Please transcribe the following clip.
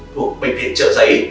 thuộc bệnh viện chợ giấy